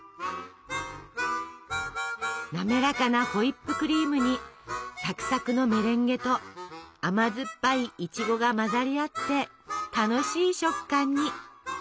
なめらかなホイップクリームにサクサクのメレンゲと甘酸っぱいいちごが混ざり合って楽しい食感に！